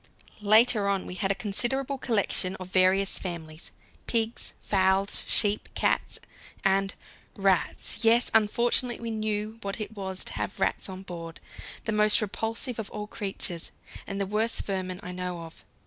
Later on we had a considerable collection of various families: pigs, fowls, sheep, cats, and rats. Yes, unfortunately, we knew what it was to have rats on board, the most repulsive of all creatures, and the worst vermin I know of.